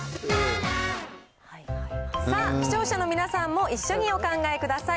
さあ、視聴者の皆さんも一緒にお考え下さい。